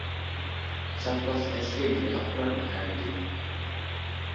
Tsakwasl azlege a huraɗ ghay age.